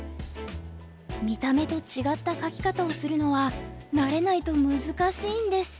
見た目と違った書き方をするのは慣れないと難しいんです。